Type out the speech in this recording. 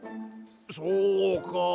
そうか。